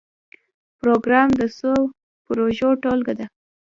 پروګرام د څو پروژو ټولګه ده